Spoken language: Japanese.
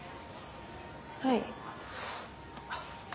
はい。